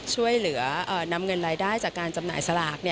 ช่วยเหลือนำเงินรายได้จากการจำหน่ายสลาก